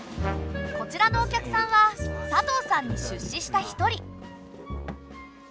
こちらのお客さんは佐藤さんに出資した一人。